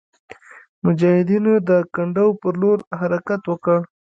مجاهدینو د کنډو پر لور حرکت وکړ.